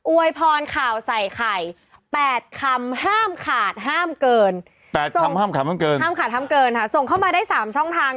อวยพรข่าวใส่ไข่๘คำห้ามขาดห้ามเกิน